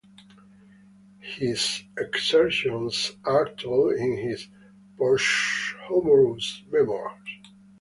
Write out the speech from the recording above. His exertions are told in his Posthumous Memoirs.